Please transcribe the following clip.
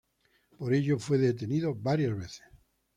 Por ello fue detenido varias veces.